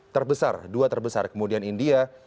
terbesar dua terbesar kemudian india